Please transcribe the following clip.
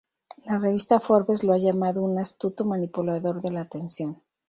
La revista Forbes lo ha llamado "un astuto manipulador de la atención.